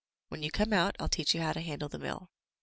When you come out Vl\ teach you how to handle the mill."